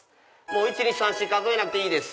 １・２・３・４数えなくていいです。